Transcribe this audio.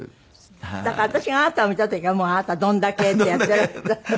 だから私があなたを見た時はもうあなた「どんだけ」ってやっていらした。